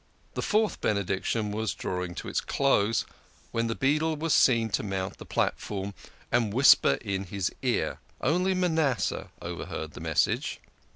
The fourth Benediction was drawing to its close, when the beadle was seen to mount the platform and whisper in his ear. Only Manasseh overheard the message.